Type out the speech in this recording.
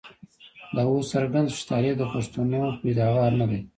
دا اوس څرګنده شوه چې طالب د پښتنو پيداوار نه دی.